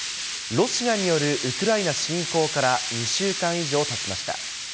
ロシアによるウクライナ侵攻から２週間以上たちました。